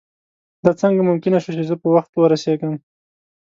دا څنګه ممکنه شوه چې زه په وخت ورسېږم.